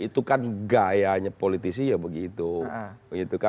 itu kan gayanya politisi ya begitu